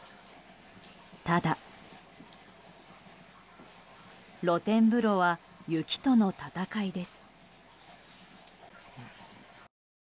ただ、露天風呂は雪との闘いです。